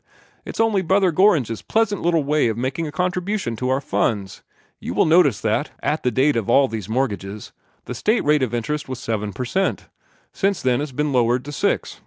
"It's only Brother Gorringe's pleasant little way of making a contribution to our funds. You will notice that, at the date of all these mortgages, the State rate of interest was seven per cent. Since then it's b'en lowered to six.